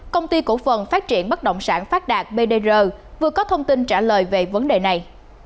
công ty cổ phần phát triển bất động sản phát đạt bdr vừa có thông tin trả lời về vấn đề này